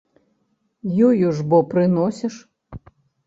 Ёю ж бо прыносіш.